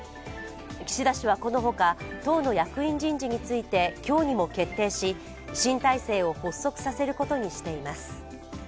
岸田氏はこのほか、党の役員人事について今日にも決定し、新体制を発足させることにしています。